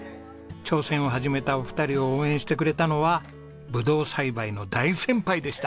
挑戦を始めたお二人を応援してくれたのはブドウ栽培の大先輩でした。